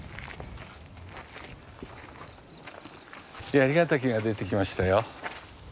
槍ヶ岳が出てきましたよ。